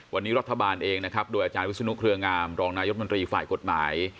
วันนี้รัฐบาลเองนะครับโดยอาจารย์วิศนุเครืองามรองนายกมนตรีฝ่ายกฎหมาย